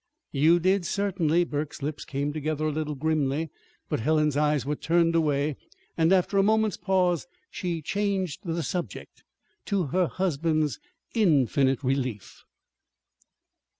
"You did, certainly." Burke's lips came together a little grimly; but Helen's eyes were turned away; and after a moment's pause she changed the subject to her husband's infinite relief.